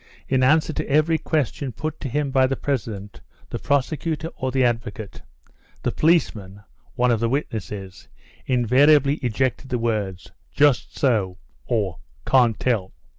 In answer to every question put to him by the president, the prosecutor, or the advocate, the policeman (one of the witnesses) in variably ejected the words: "just so," or "Can't tell."